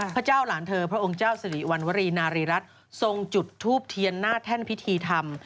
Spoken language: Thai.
พระเจ้าหลานเธอพระองค์เจ้าสิริวัณวรีนารีรัฐทรงจุดทูบเทียนหน้าแท่นพิธีธรรม